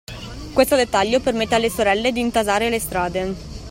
Questo dettaglio permette alle sorelle di intasare le strade.